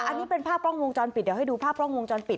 อันนี้เป็นภาพกล้องวงจรปิดเดี๋ยวให้ดูภาพกล้องวงจรปิด